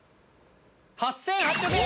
８８００円！